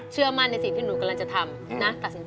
เชื่อมั่นในสิ่งที่หนูกำลังจะทำนะ